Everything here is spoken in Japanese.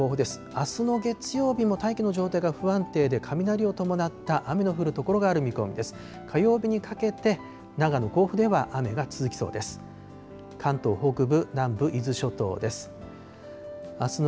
あすの月曜日も大気の状態が不安定で、雷を伴った雨の降る所がある見込みです。